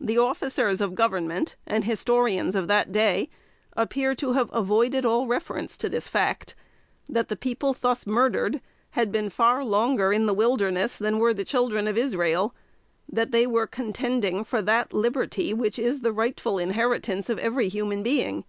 The officers of Government, and historians of that day, appear to have avoided all reference to the fact, that the people thus murdered had been far longer in the wilderness than were the children of Israel; that they were contending for that Liberty which is the rightful inheritance of every human being.